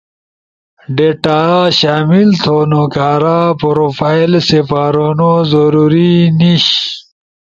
ڈیٹا شامل تھونو کارا پروفائل سپارونو ضروری نیش،